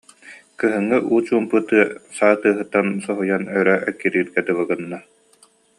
Кыһыҥҥы уу чуумпу тыа саа тыаһыттан соһуйан өрө эккирииргэ дылы гынна